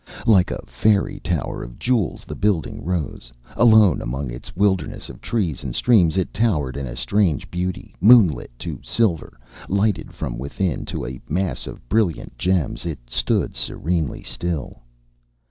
Like a fairy tower of jewels the building rose. Alone among a wilderness of trees and streams it towered in a strange beauty: moonlit to silver, lighted from within to a mass of brilliant gems, it stood serenely still.